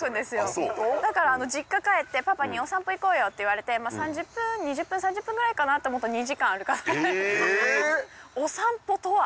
そうだから実家帰ってパパに「お散歩行こうよ」って言われて３０分２０分３０分ぐらいかなと思ったらお散歩とは？